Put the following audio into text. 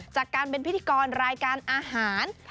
จากการเป็นพิธีกรรายการอาหาร